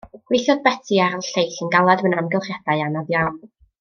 Gweithiodd Beti a'r lleill yn galed mewn amgylchiadau anodd iawn.